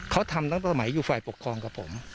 เขาทำตั้งแต่สมัยอยู่ฝ่ายปกครองกับผม